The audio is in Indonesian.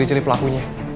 sama ciri ciri pelakunya